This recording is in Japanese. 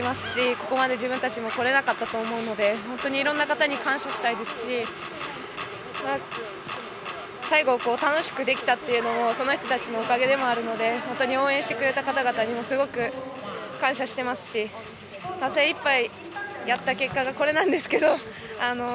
ここまで自分たちもこれなかったと思うので本当にいろんな方に感謝したいですし最後、楽しくできたというのもその人たちのおかげでもあるので本当に応援してくれた方々にもすごく感謝してますし精いっぱいやった結果がこれなんですけど。